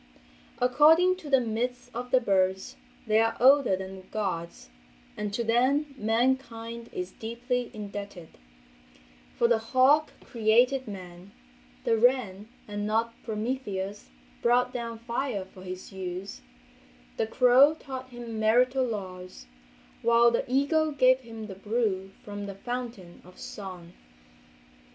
According to the myths of the birds they are older than the gods and to them mankind is deeply indebted; for the hawk created man, the wren, and not Prometheus, brought down fire for his use, the crow taught him marital laws, while the eagle gave him the brew from the fountain of song.